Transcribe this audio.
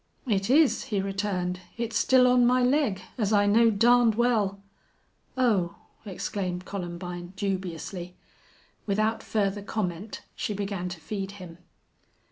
"It is," he returned. "It's still on my leg, as I know darned well." "Oh!" exclaimed Columbine, dubiously. Without further comment she began to feed him.